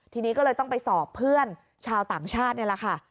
ทีนี้ก็เลยต้องไปสอบเพื่อนชาวต่างชาตินี่แหละค่ะ